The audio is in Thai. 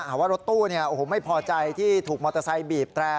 ว่ารถตู้ไม่พอใจที่ถูกมอเตอร์ไซค์บีบแตร่